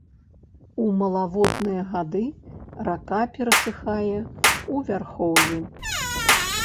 У малаводныя гады рака перасыхае ў вярхоўі.